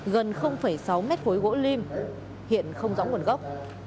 gần sáu mét khối gỗ lim hiện không rõ nguồn gốc